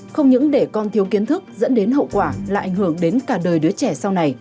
không những để con thiếu kiến thức dẫn đến hậu quả